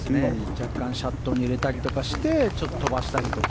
若干シャットに入れたりとかしてちょっと飛ばしたりとか。